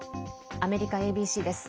アメリカＡＢＣです。